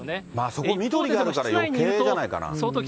そこ緑があるからよけいじゃないかな。